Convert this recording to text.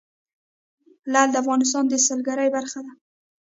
لعل د افغانستان د سیلګرۍ برخه ده.